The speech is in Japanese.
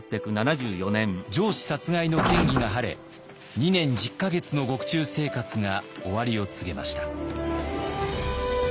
上司殺害の嫌疑が晴れ２年１０か月の獄中生活が終わりを告げました。